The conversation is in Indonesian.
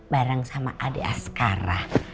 bareng sama adik asqara